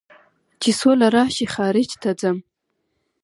چې سوله راشي خارج ته ځم